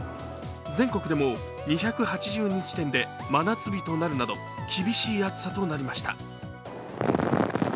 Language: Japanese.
全国でも２８２地点で真夏日となるなど厳しい暑さとなりました。